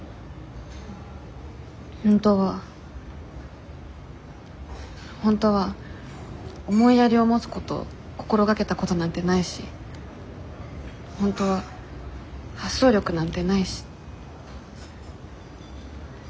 本当は本当は思いやりを持つこと心がけたことなんてないし本当は発想力なんてないし。